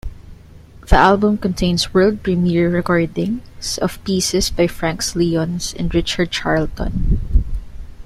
The album contains world premier recordings of pieces by Franks Lyons and Richard Charlton.